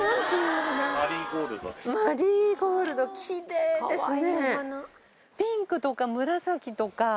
マリーゴールドキレイですね。